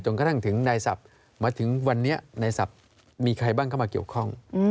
กระทั่งถึงในศัพท์มาถึงวันนี้ในศัพท์มีใครบ้างเข้ามาเกี่ยวข้อง